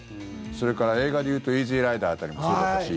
それから映画でいうと「イージー・ライダー」辺りもそうだったし。